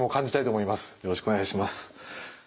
よろしくお願いします。